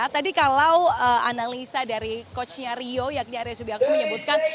tadi kalau analisa dari coachnya rio yakni arya subiakti menyebutkan